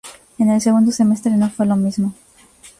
En el segundo semestre no fue lo mismo.